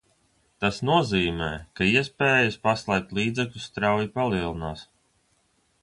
Tas nozīmē, ka iespējas paslēpt līdzekļus strauji palielinās.